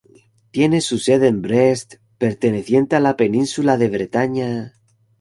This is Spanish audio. Tiene su sede en Brest perteneciente a la península de Bretaña.